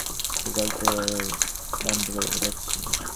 দুর্ভাগ্যকে বন্ধ করতে যাচ্ছি।